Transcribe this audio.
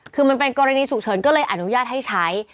คือมันเป็นกรณีฉุกเฉินก็เลยอนุญาตให้ใช้